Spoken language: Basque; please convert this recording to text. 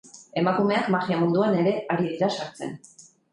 Emakumeak magia munduan ere ari dira sartzen.